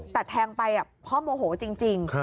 แต่แทงไปพ่อโมโหจริง